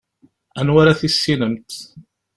Anwa ara tissinemt?